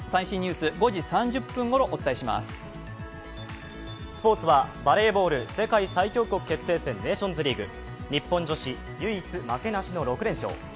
スポーツはバレーボール世界最強国決定戦ネーションズリーグ日本女子、唯一負けなしの６連勝。